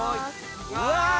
うわ！